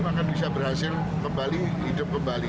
masing masing kembali hidup kembali